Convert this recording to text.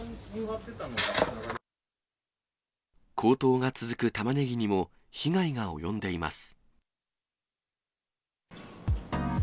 高騰が続くタマネギにも、被害が及んでいます。